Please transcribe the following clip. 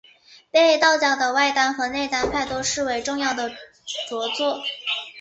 被道教的外丹和内丹派都视为重要的着作。